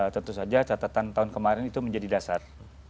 tentu saja catatan tahun kemarin itu menjadi dasar